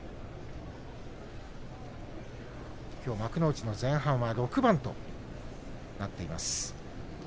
きょう、幕内の前半は６番となっています。